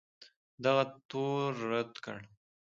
دغه تور رد کړ